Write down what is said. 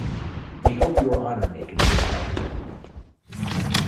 We hope your honour may consider our prayer.